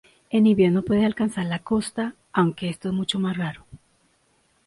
En invierno puede alcanzar la costa, aunque esto es mucho más raro.